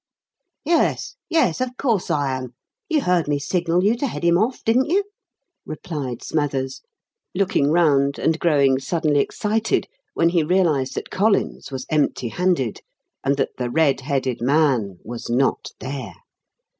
"Yes, yes, of course I am. You heard me signal you to head him off, didn't you?" replied Smathers, looking round and growing suddenly excited when he realized that Collins was empty handed, and that the red headed man was not there.